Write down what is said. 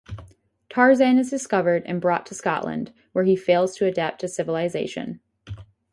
Tarzan is discovered and brought to Scotland, where he fails to adapt to civilization.